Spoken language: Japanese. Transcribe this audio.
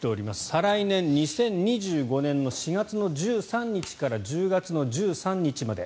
再来年２０２５年４月１３日から１０月１３日まで。